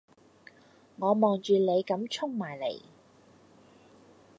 我望住你咁衝埋嚟